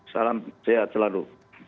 salam sehat selalu